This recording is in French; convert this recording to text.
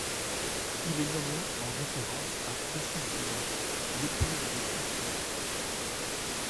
Il est nommé en référence à Échidna, l'épouse de Typhon.